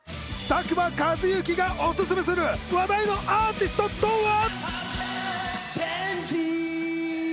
佐久間一行がおすすめする話題のアーティストとは？